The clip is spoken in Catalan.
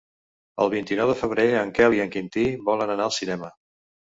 El vint-i-nou de febrer en Quel i en Quintí volen anar al cinema.